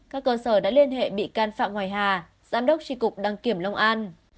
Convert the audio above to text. các cơ sở đã liên hệ bị can phạm hoài hà giám đốc tri cục đăng kiểm long an